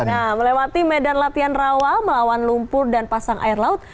nah melewati medan latihan rawa melawan lumpur dan pasang air laut